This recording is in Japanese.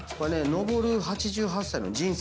のぼる８８歳の人生